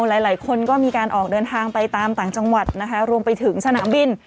หลายคนก็มีการออกเดินทางไปตามต่างจังหวัดนะคะรวมไปถึงสนามบิน